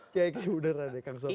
kiai kiai beneran ya kang sobari